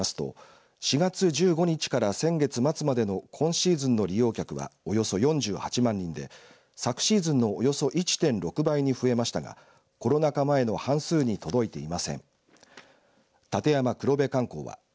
立山黒部貫光によりますと４月１５日から先月末までの今シーズンの利用客はおよそ４８万人で昨シーズンのおよそ１．６倍に増えましたがコロナ禍前の半数に届いていません。